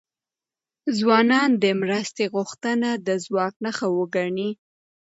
ځوانان د مرستې غوښتنه د ځواک نښه وګڼي.